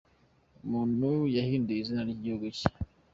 Umuntu yahinduye izina ry’igihugu cye